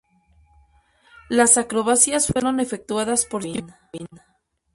Las acrobacias fueron efectuadas por Jim Gavin.